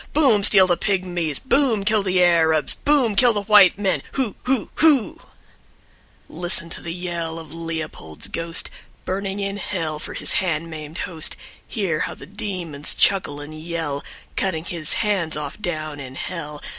BOOM, steal the pygmies, BOOM, kill the Arabs, BOOM, kill the white men, HOO, HOO, HOO. # Like the wind in the chimney. # Listen to the yell of Leopold's ghost Burning in Hell for his hand maimed host. Hear how the demons chuckle and yell Cutting his hands off, down in Hell.